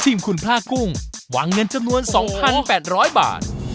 ทีมคุณพลากุ้งวางเงินจำนวน๒๘๐๐บาท